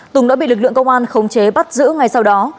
tùng đã bị lực lượng công an khống chế bắt giữ ngay sau đó